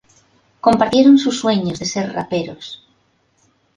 Compartieron sus sueños de ser raperos.